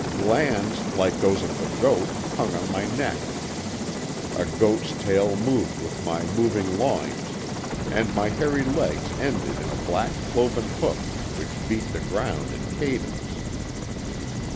Glands, like those of the goat, hung on my neck, a goat's tail moved with my moving loins, and my hairy legs ended in a black cloven hoof which beat the ground in cadence.